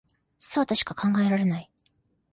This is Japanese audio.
そうとしか考えられない